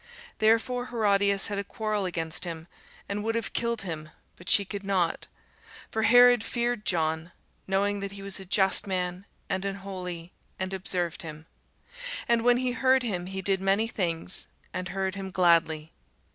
Therefore Herodias had a quarrel against him, and would have killed him; but she could not: for Herod feared John, knowing that he was a just man and an holy, and observed him; and when he heard him, he did many things, and heard him gladly.